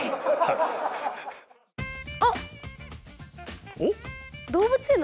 あっ！